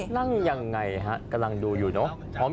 นั่งยังไงฮะกำลังดูอยู่เนอะ